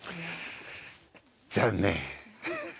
残念！